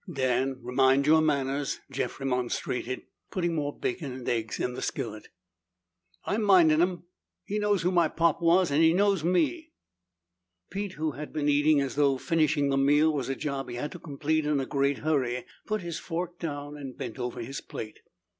"Dan, mind your manners!" Jeff remonstrated, putting more bacon and eggs in the skillet. "I'm minding them! He knows who my pop was and he knows me!" Pete, who had been eating as though finishing the meal was a job he had to complete in a great hurry, put his fork down and bent over his plate.